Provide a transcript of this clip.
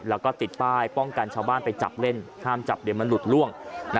แล้วก็ติดป้ายป้องกันชาวบ้านไปจับเล่นห้ามจับเดี๋ยวมันหลุดล่วง